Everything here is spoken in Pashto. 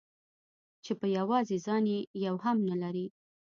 چې په يوازې ځان يې يو هم نه لري.